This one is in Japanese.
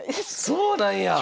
そうなんや！